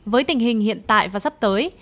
với tình hình hiện tại và sắp tới